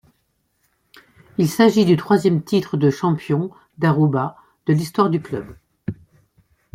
Il s’agit du troisième titre de champion d'Aruba de l’histoire du club.